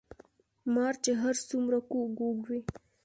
ـ مار چې هر څومره کوږ وږ وي